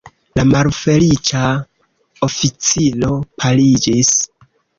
La malfeliĉa oficiro paliĝis.